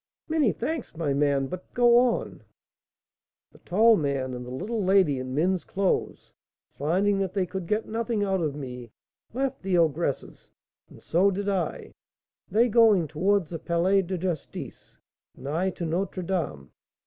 "Many thanks, my man; but go on." "The tall man and the little lady in men's clothes, finding that they could get nothing out of me, left the ogress's, and so did I; they going towards the Palais de Justice, and I to Notre Dame.